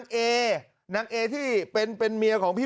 การนอนไม่จำเป็นต้องมีอะไรกัน